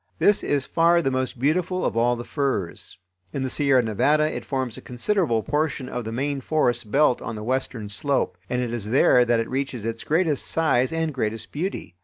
This is far the most beautiful of all the firs. In the Sierra Nevada it forms a considerable portion of the main forest belt on the western slope, and it is there that it reaches its greatest size and greatest beauty.